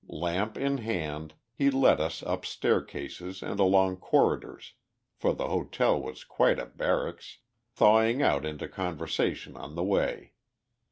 Lamp in hand, he led us up staircases and along corridors for the hotel was quite a barracks thawing out into conversation on the way.